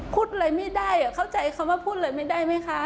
พูดอะไรไม่ได้เข้าใจคำว่าพูดอะไรไม่ได้ไหมคะ